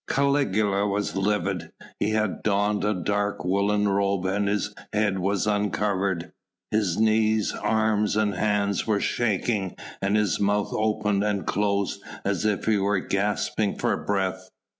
Caligula was livid. He had donned a dark woollen robe and his head was uncovered. His knees, arms and hands were shaking and his mouth opened and closed as if he were gasping for breath.